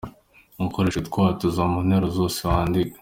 Ukoreshe utwatuzo mu nteruro zose wandika.